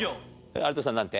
有田さんなんて？